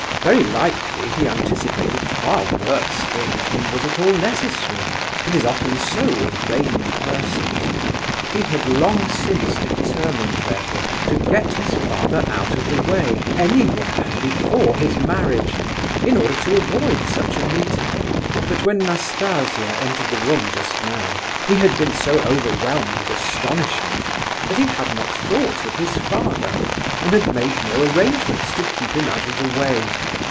Very likely he anticipated far worse things than was at all necessary; it is often so with vain persons. He had long since determined, therefore, to get his father out of the way, anywhere, before his marriage, in order to avoid such a meeting; but when Nastasia entered the room just now, he had been so overwhelmed with astonishment, that he had not thought of his father, and had made no arrangements to keep him out of the way.